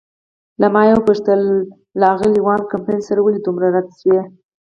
له ما یې وپوښتل: له آغلې وان کمپن سره ولې دومره رډ شوې؟